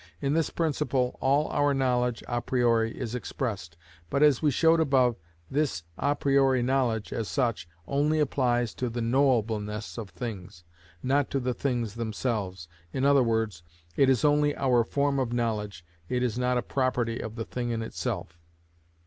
In this principle all our knowledge a priori is expressed, but, as we showed above, this a priori knowledge, as such, only applies to the knowableness of things, not to the things themselves, i.e., it is only our form of knowledge, it is not a property of the thing in itself.